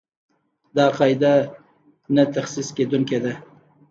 دا قاعده نه تخصیص کېدونکې ده.